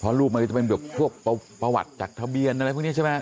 เพราะรูปมันก็จะเป็นแบบพวกประวัติจากทะเบียนอะไรพวกนี้ใช่ไหม